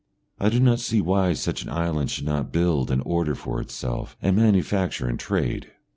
I do not see why such an island should not build and order for itself and manufacture and trade.